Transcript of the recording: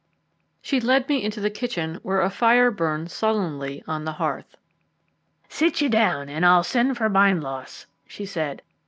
She led me into the kitchen, where a fire burned sullenly on the hearth. "Sit you down, and I'll send for Bindloss," she said.